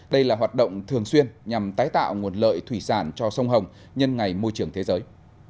đây là hoạt động thường xuyên nhằm tái tạo nguồn lợi thủy sản cho sông hồng nhân ngày môi trường thế giới